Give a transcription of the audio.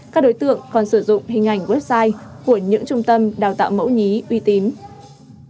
các đối tượng còn sử dụng hình ảnh website của những trung tâm đào tạo mẫu nhí uy tín